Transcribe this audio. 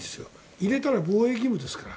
入れたら防衛義務ですから。